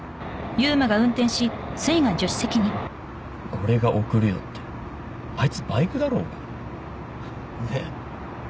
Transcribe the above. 「俺が送るよ」ってあいつバイクだろうがねえ